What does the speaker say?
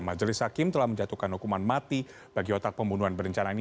majelis hakim telah menjatuhkan hukuman mati bagi otak pembunuhan berencana ini